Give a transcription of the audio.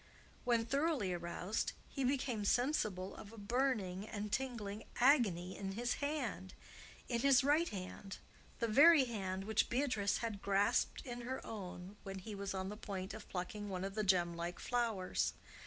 When thoroughly aroused, he became sensible of a burning and tingling agony in his hand—in his right hand—the very hand which Beatrice had grasped in her own when he was on the point of plucking one of the gemlike flowers.